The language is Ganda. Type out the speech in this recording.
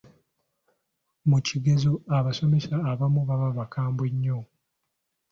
Mu kigezo abasomesa abamu baba bakambwe nnyo.